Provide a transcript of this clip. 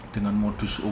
dengan modus obat